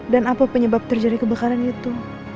dan apa penyebab terjadi kebakaran itu